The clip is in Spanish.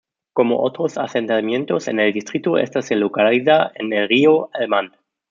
Como otros asentamientos en el distrito, esta se localiza en el río Helmand.